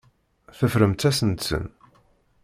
Teffremt-asen-ten.